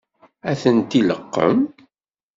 Ad tent-ileqqem?